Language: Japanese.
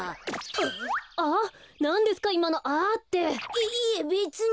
いいいえべつに。